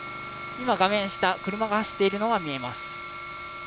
画面下、車が走っているのが見えます。